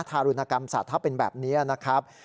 ทารุณกรรมสัตว์ถ้าเป็นแบบนี้นะครับ